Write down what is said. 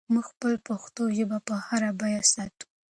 موږ خپله پښتو ژبه په هره بیه ساتو.